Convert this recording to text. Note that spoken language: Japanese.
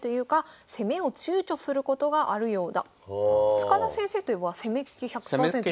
塚田先生といえば攻めっ気１００％ですけど。